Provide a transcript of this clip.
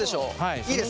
いいですか？